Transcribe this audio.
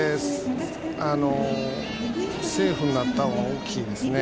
セーフになったのは大きいですね。